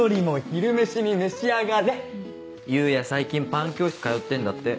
最近パン教室通ってんだって。